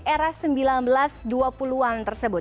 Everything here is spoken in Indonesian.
apa sebutan bioskop di era sembilan belas dua puluh an tersebut